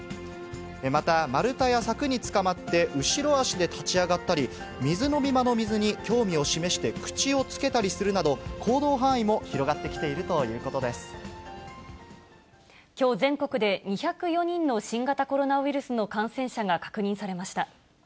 また、丸太や柵につかまって後ろ足で立ち上がったり、水飲み場の水に興味を示して口をつけたりするなど、行動範囲も広きょう全国で、２０４人の新型コロナウイルスの感染者が確認されました。